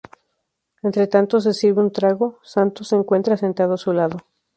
Entretanto se sirve un trago, Santos se encuentra sentado a su lado.